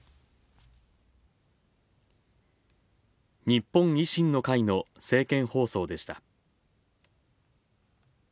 日本維新の会の政見放送でした。